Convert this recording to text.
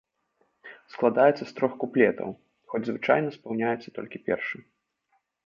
Складаецца з трох куплетаў, хоць звычайна спаўняецца толькі першы.